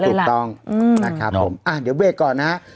เลยล่ะตรงอืมนะครับผมอ่ะเดี๋ยวเวกก่อนนะฮะ